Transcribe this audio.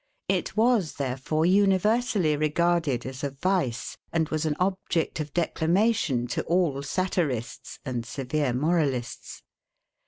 It was, therefore, universally regarded as a vice, and was an object of declamation to all satirists, and severe moralists.